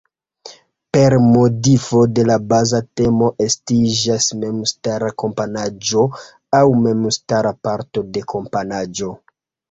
Per modifo de la baza temo estiĝas memstara komponaĵo aŭ memstara parto de komponaĵo.